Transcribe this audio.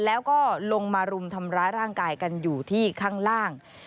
แล้วก็ลงมารุมทำร้ายร่างกายกันอยู่ที่ข้างล่าง